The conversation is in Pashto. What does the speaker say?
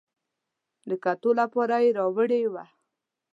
د کتلو لپاره یې راوړې وه.